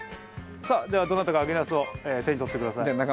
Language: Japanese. さあではどなたか揚げなすを手に取ってください。